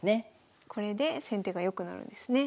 これで先手が良くなるんですね。